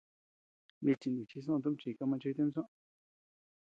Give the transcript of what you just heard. Nichi nichi soʼön tumin chika machetem soʼö.